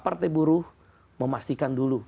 partai buruh memastikan dulu